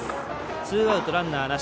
ツーアウト、ランナーなし。